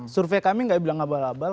survei kami tidak dibilang abal abal